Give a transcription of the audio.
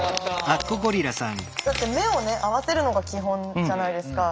だって目を合わせるのが基本じゃないですか。